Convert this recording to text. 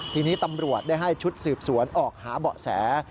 ทีนี้ตำรวจได้ให้ชุดสืบสวนออกหาเบาะแส